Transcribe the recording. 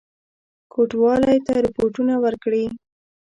کوټوالی ته رپوټونه ورکړي.